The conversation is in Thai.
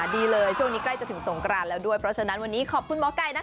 ดีเลยช่วงนี้ใกล้จะถึงสงกรานแล้วด้วยเพราะฉะนั้นวันนี้ขอบคุณหมอไก่นะคะ